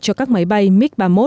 cho các máy bay mig ba mươi một